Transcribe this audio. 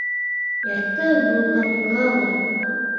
Ярты булғанғалыр.